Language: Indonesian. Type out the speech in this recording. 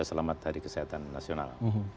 selamat hari kesehatan nasional